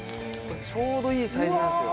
ちょうどいいサイズなんですよ。